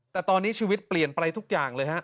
แต่ตอนนี้ชีวิตเปลี่ยนไปทุกอย่างเลยฮะ